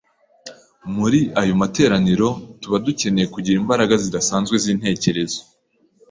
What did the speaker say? Muri ayo materaniro, tuba dukeneye kugira imbaraga zidasanzwe z’intekerezo